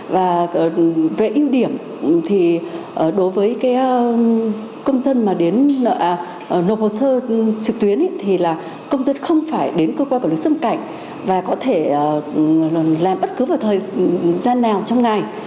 về ưu điểm đối với công dân nộp hồ sơ trực tuyến công dân không phải đến công an tỉnh hà nam xâm cảnh và có thể làm bất cứ thời gian nào trong ngày